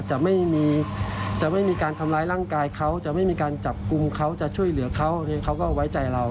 จะไม่มีการทำร้ายร่างกายเขาจะไม่มีการจับกลุ่มเขาจะช่วยเหลือเขาเขาก็ไว้ใจเรา